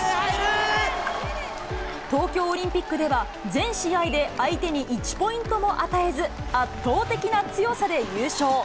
東京オリンピックでは、全試合で相手に１ポイントも与えず、圧倒的な強さで優勝。